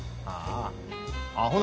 ああ。